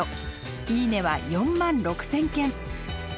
「いいね」は４万６，０００件。